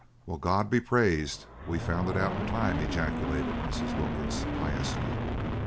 "Well, God be praised, we've found it out in time," ejaculated Mrs. Wilkins piously.